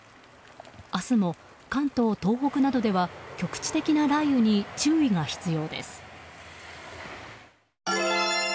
明日も関東、東北などでは局地的な雷雨に注意が必要です。